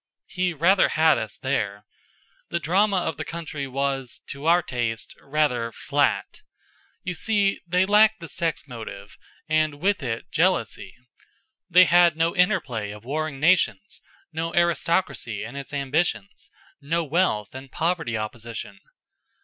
He rather had us there. The drama of the country was to our taste rather flat. You see, they lacked the sex motive and, with it, jealousy. They had no interplay of warring nations, no aristocracy and its ambitions, no wealth and poverty opposition.